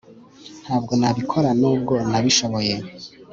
Ntabwo nabikora nubwo nabishoboye